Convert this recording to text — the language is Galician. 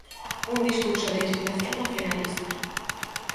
Un discurso de inspiración nacionalista.